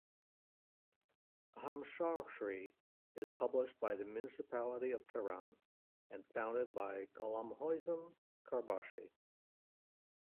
"Hamshahri" is published by the municipality of Tehran, and founded by Gholamhossein Karbaschi.